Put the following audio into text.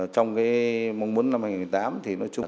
trong cái mong muốn năm hai nghìn một mươi tám thì nói chung